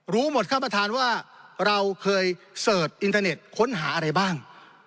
รู้หมดครับท่านประธานว่าเราเคยเสิร์ชอินเทอร์เน็ตค้นหาอะไรบ้าง